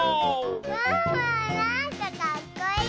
ワンワンなんかかっこいい！